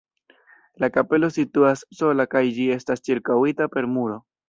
La kapelo situas sola kaj ĝi estas ĉirkaŭita per muro.